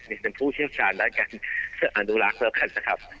นี่เป็นผู้เชี่ยวชาญด้านการอนุรักษ์แล้วกันนะครับ